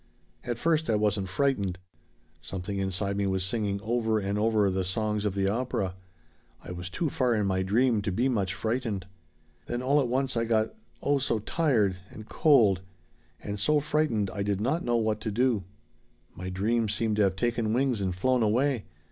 "At first I wasn't frightened. Something inside me was singing over and over the songs of the opera. I was too far in my dream to be much frightened. "Then all at once I got oh, so tired. And cold. And so frightened I did not know what to do. My dream seemed to have taken wings and flown away.